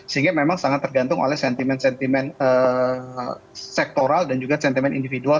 sehingga memang sangat tergantung oleh sentimen sentimen sektoral dan juga sentimen individual